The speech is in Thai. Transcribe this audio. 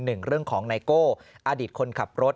หนึ่งเรื่องของไนโก้อดีตคนขับรถ